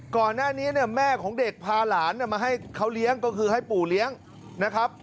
ก่อนหน้านี้เนี่ยแม่ของเด็กพาหลานมาให้เขาเลี้ยงก็คือให้ปู่เลี้ยงนะครับ